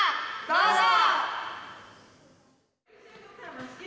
どうぞ！